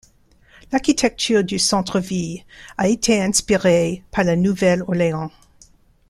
L'architecture du centre ville a été inspirée par la Nouvelle-Orléans.